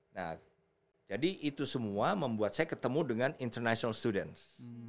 nah jadi itu semua membuat saya ketemu dengan international studence